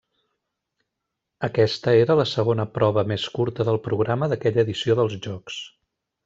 Aquesta era la segona prova més curta del programa d'aquella edició dels Jocs.